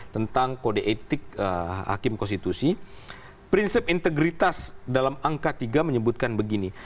tentang kode etik hakim konstitusi prinsip integritas dalam angka tiga menyebutkan begini